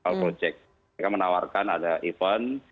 mereka menawarkan ada event